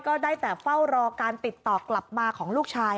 ก็ได้แต่เฝ้ารอการติดต่อกลับมาของลูกชาย